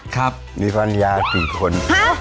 ครับมีภรรยากี่คน